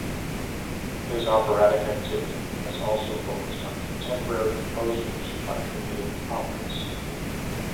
His operatic activity has also focused on contemporary composers by creating operas.